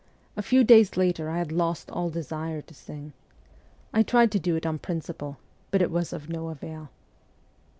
A few days later I had lost all desire to sing. I tried to do it on principle, but it was of no avail.